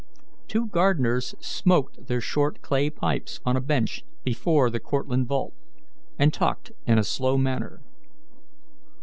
Two gardeners smoked their short clay pipes on a bench before the Cortlandt vault, and talked in a slow manner.